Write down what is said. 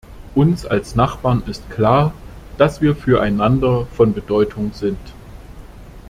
Uns als Nachbarn ist klar, dass wir füreinander von Bedeutung sind.